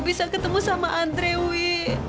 bisa ketemu sama andre wi